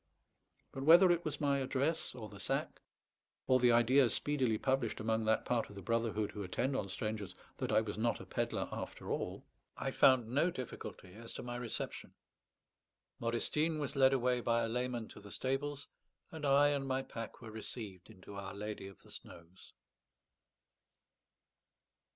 But whether it was my address, or the sack, or the idea speedily published among that part of the brotherhood who attend on strangers that I was not a pedlar after all, I found no difficulty as to my reception. Modestine was led away by a layman to the stables, and I and my pack were received into Our Lady of the Snows.